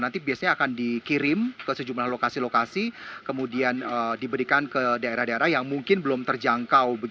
nanti biasanya akan dikirim ke sejumlah lokasi lokasi kemudian diberikan ke daerah daerah yang mungkin belum terjangkau